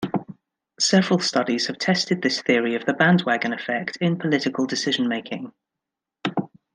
Several studies have tested this theory of the bandwagon effect in political decision making.